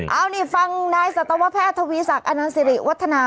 เอานี่ฟังนายสัตวแพทย์ทวีศักดิ์อนันต์สิริวัฒนา